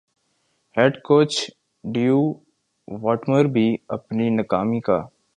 head coach Dav Whatmore بھی اپنی ناکامی کا